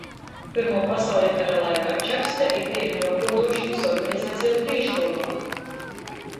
Pyrmuo pasauļa kara laikā Čakste ir biegļu apguoduošonys organizaceju prīškgolā,